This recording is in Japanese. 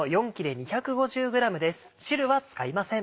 汁は使いません。